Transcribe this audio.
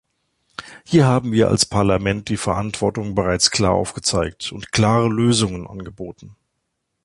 Hier haben wir als Parlament die Verantwortung bereits klar aufgezeigt und klare Lösungen angeboten.